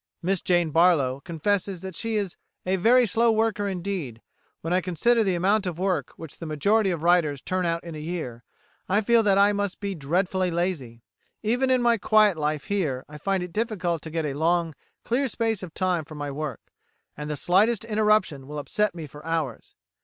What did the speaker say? Miss Jane Barlow confesses that she is "a very slow worker; indeed, when I consider the amount of work which the majority of writers turn out in a year, I feel that I must be dreadfully lazy. Even in my quiet life here I find it difficult to get a long, clear space of time for my work, and the slightest interruption will upset me for hours.